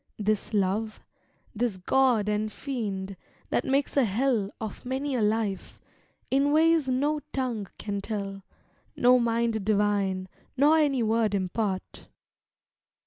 This love, this god and fiend, that makes a hell Of many a life, in ways no tongue can tell, No mind divine, nor any word impart.